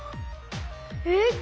えっ